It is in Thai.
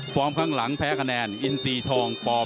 ฟอร์มข้างหลังแพ้คาแนนอินทราชัยหรือดาวเด่นช๕พยักษย์